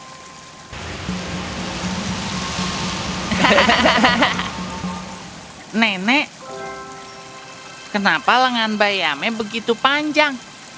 hahaha nenek kenapa lengan bayame begitu panjang